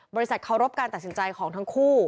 เคารพการตัดสินใจของทั้งคู่